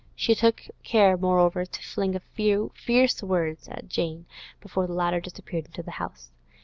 She took care, moreover, to fling a few fierce words at Jane before the latter disappeared into the house.